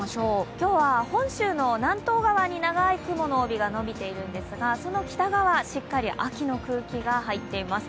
今日は本州の南東側に長い雲の帯が伸びているんですが、その北側、しっかり秋の空気が入っています。